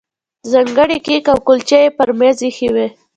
ځانګړي کیک او کولچې یې پر مېز ایښي وو.